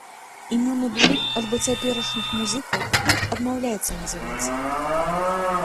Імёны былых альбо цяперашніх музыкаў гурт адмаўляецца называць.